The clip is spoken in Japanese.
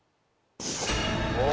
お！